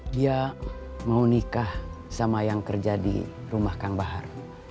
dia mau nikah sama yang kerja di rumah kang bahar